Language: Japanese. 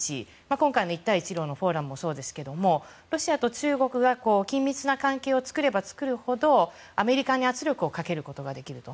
今回の一帯一路のフォーラムもそうですけどロシアと中国が緊密な関係を作れば作るほどアメリカに圧力をかけることができると。